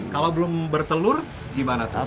kalau belum bertelur gimana